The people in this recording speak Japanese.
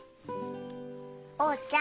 おうちゃん